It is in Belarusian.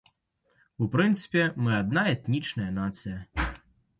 У прынцыпе, мы адна этнічная нацыя.